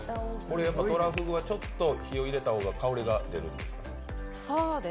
とらふぐはちょっと火を入れた方が香りが出るんですか？